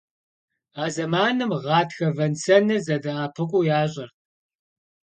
А зэманым гъатхэ вэн-сэныр зэдэӀэпыкъуу ящӀэрт.